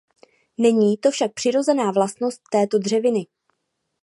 Není to však přirozená vlastnost této dřeviny.